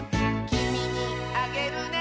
「きみにあげるね」